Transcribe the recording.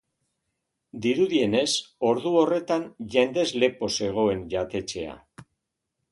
Dirudienez, ordu horretan jendez lepo zegoen jatetxea.